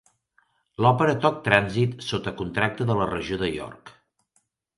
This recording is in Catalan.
L'opera Tok Transit sota contracte de la regió de York.